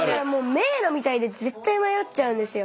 迷路みたいで絶対迷っちゃうんですよ。